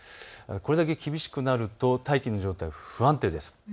これだけ厳しくなると大気の状態が不安定です。